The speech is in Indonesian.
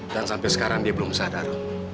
dan sampai sekarang dia belum sadar